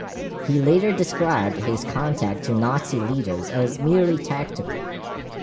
He later described his contact to Nazi leaders as merely tactical.